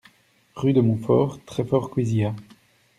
Rue de Montfort, Treffort-Cuisiat